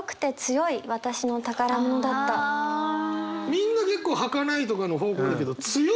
みんな結構「儚い」とかの方向だけど「強い」？